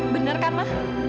bener kan ma